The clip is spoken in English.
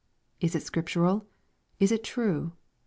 Is it scriptural? Is it true